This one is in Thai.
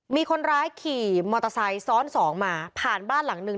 มีคนร้ายขี่มอเตอร์ไซค์ซ้อนสองมาผ่านบ้านหลังนึง